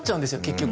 結局。